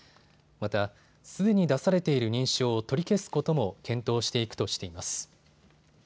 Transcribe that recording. また、すでに出されている認証を取り消すことも検討していくとしています。